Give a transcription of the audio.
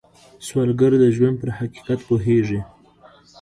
سوالګر د ژوند پر حقیقت پوهېږي